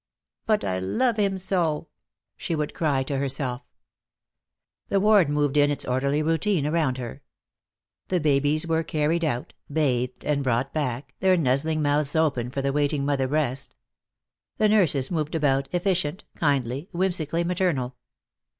"But I love him so," she would cry to herself. The ward moved in its orderly routine around her. The babies were carried out, bathed and brought back, their nuzzling mouths open for the waiting mother breast. The nurses moved about, efficient, kindly, whimsically maternal.